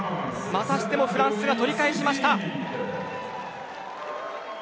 またしてもフランスが取り返しました。